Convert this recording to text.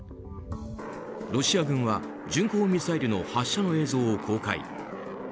ロシア軍は巡航ミサイルの発射の映像を公開。